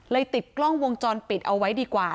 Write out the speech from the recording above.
ติดกล้องวงจรปิดเอาไว้ดีกว่า